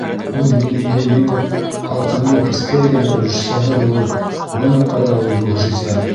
Үҙ минеңде еңеп, халҡыңдың кескәй генә өлөшсәһе булыу - бына ҡайҙа ул мөғжизә!